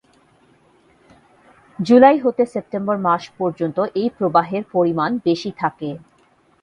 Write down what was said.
জুলাই হতে সেপ্টেম্বর মাস পর্যন্ত এই প্রবাহের পরিমাণ বেশি থাকে।